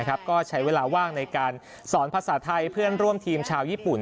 ก็ใช้เวลาว่างในการสอนภาษาไทยเพื่อนร่วมทีมชาวญี่ปุ่น